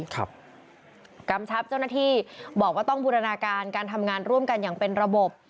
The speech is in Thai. กำชับเจ้าหน้าที่บอกว่าต้องบูรณาการการทำงานร่วมกันอย่างเป็นระบบ